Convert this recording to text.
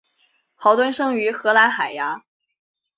豪敦生于荷兰海牙。